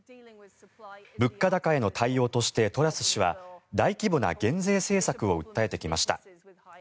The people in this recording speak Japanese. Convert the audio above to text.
物価高への対応としてトラス氏は大規模な減税政策を訴えてきました。